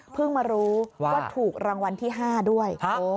มารู้ว่าถูกรางวัลที่๕ด้วย